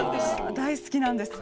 大好きなんです。